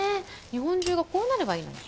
日本中がこうなればいいのに。